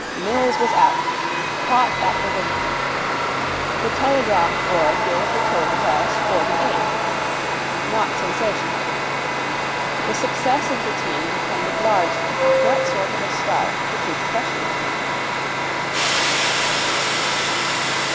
Mills was out, caught at the wicket. The telegraph board gave the total as forty eight. Not sensational. The success of the team depended largely on what sort of a start the two professionals made.